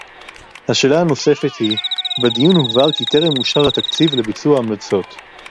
השאלה הנוספת היא: בדיון הובהר כי טרם אושר התקציב לביצוע ההמלצות